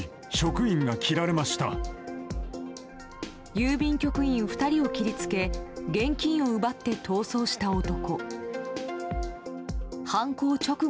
郵便局員２人を切り付け現金を奪って逃走した男。